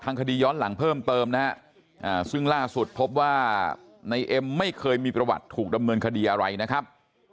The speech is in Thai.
คดีย้อนหลังเพิ่มเติมนะฮะซึ่งล่าสุดพบว่าในเอ็มไม่เคยมีประวัติถูกดำเนินคดีอะไรนะครับ